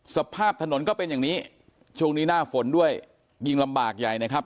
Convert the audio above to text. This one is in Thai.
สภาพถนนก็เป็นอย่างนี้ช่วงนี้หน้าฝนด้วยยิ่งลำบากใหญ่นะครับ